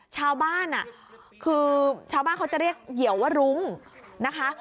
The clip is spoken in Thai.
ชาวบ้านคือชาวบ้านเขาจะเรียกเหยียวว่ารุ้งนะคะ